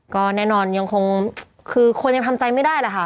ก็แน่นอนยังคงคือคนยังทำใจไม่ได้แหละค่ะ